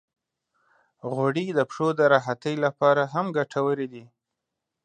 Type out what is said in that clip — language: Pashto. غوړې د پښو د راحتۍ لپاره هم ګټورې دي.